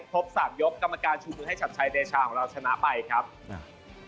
ครบสามยกกรรมการชูมือให้ชัดชัยเดชาของเราชนะไปครับอ่า